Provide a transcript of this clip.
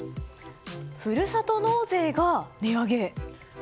ふるさと納税が値上げ？